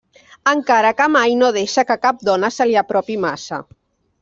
Encara que mai no deixa que cap dona se li apropi massa.